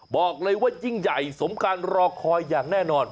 บอกเลยว่ายิ่งใหญ่สมการรอคอยอย่างแน่นอน